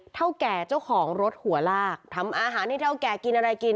เท่าแก่เจ้าของรถหัวลากทำอาหารให้เท่าแก่กินอะไรกิน